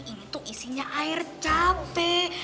ini tuh isinya air capek